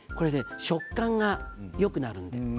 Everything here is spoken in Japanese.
食感がよくなるので。